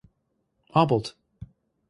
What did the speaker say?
Oblt.